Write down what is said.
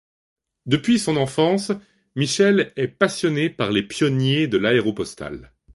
Depuis son enfance, Michel est passionné par les pionniers de l'Aéropostale.